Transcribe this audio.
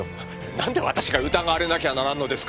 なんで私が疑われなきゃならんのですか？